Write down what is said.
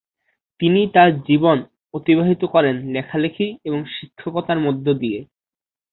তিনি তার জীবন অতিবাহিত করেন লেখালেখি এবং শিক্ষকতা মধ্য দিয়ে।